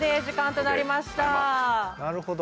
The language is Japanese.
なるほど。